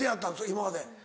今まで。